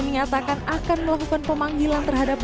menyatakan akan melakukan pemanggilan terhadap